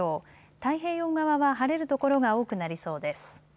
太平洋側は晴れる所が多くなりそうです。